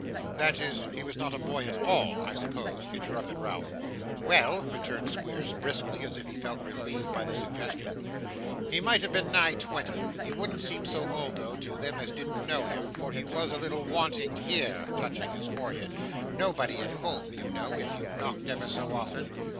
'That is, he was not a boy at all, I suppose?' interrupted Ralph. 'Well,' returned Squeers, briskly, as if he felt relieved by the suggestion, 'he might have been nigh twenty. He wouldn't seem so old, though, to them as didn't know him, for he was a little wanting here,' touching his forehead; 'nobody at home, you know, if you knocked ever so often.